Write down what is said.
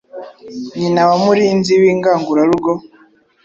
nyina wa Murinzi w’ingangurarugo,